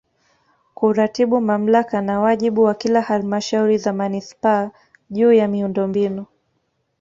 Kuratibu Mamlaka na wajibu wa kila Halmashauri za Manispaa juu ya miundombinu